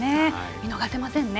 見逃せません。